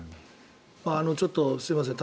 ちょっとすみません。